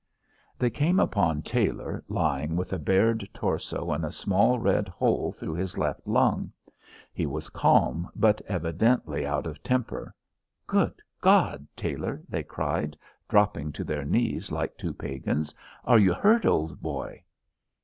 They came upon Tailor, lying with a bared torso and a small red hole through his left lung. He was calm, but evidently out of temper. "Good God, Tailor!" they cried, dropping to their knees like two pagans; "are you hurt, old boy?"